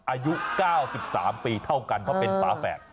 อายุ๙๓ปีเท่ากันเพราะเป็นฝาแฝด